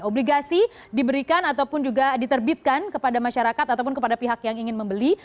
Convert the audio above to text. obligasi diberikan ataupun juga diterbitkan kepada masyarakat ataupun kepada pihak yang ingin membeli